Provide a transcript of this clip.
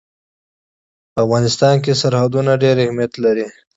په افغانستان کې سرحدونه ډېر اهمیت لري.